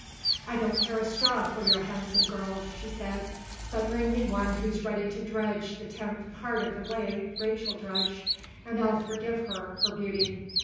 "I don't care a straw for your handsome girls," she said; "but bring me one who's ready to drudge the tenth part of the way Rachel drudged, and I'll forgive her her beauty.